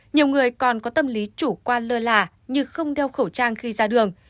nhiều người còn có tâm lý chủ quan lơ là như không đeo khẩu trang khi ra đường